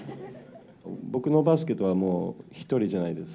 僕のバスケとは、もう１人じゃないです。